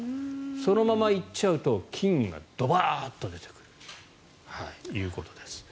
そのまま行っちゃうと菌がドバッと出てくるということです。